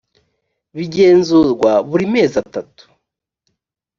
bigenzurwa buri mezi atatu